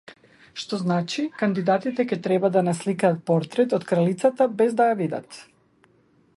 Што значи, кандидатите ќе треба да насликаат портрет од кралицата без да ја видат!